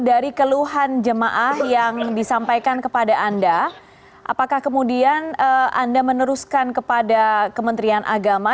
dari keluhan jemaah yang disampaikan kepada anda apakah kemudian anda meneruskan kepada kementerian agama